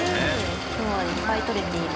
今日はいっぱいとれている。